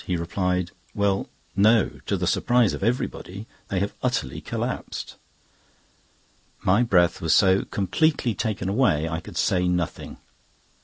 He replied: "Well, no! To the surprise of everybody, they have utterly collapsed." My breath was so completely taken away, I could say nothing.